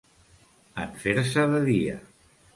En fer-se de dia.